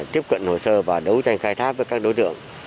tiếp cận hồ sơ và đấu tranh khai thác với các đối tượng